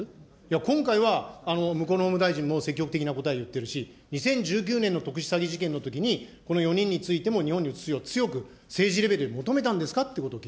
今回は向こうの法務大臣も積極的なことは言ってるし、２０１９年の特殊詐欺事件のときに、この４人についても日本に移すよう強く政治レベルで求めたんです